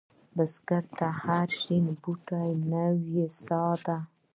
بزګر ته هره شنه بوټۍ نوې سا ده